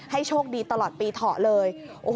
โชคดีตลอดปีเถาะเลย